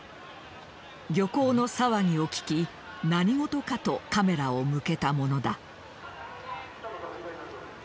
漁港の騒ぎを聞き何事かとカメラを向けたものだ。